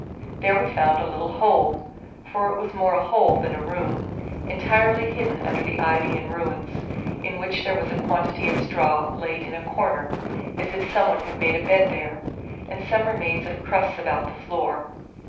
There we found a little hole, for it was more a hole than a room, entirely hidden under the ivy and ruins, in which there was a quantity of straw laid in a corner, as if some one had made a bed there, and some remains of crusts about the floor.